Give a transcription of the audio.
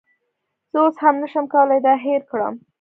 زه اوس هم نشم کولی دا هیر کړم